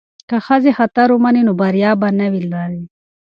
که ښځې خطر ومني نو بریا به نه وي لرې.